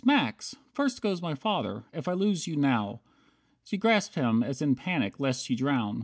Max! First goes my father, if I lose you now!" She grasped him as in panic lest she drown.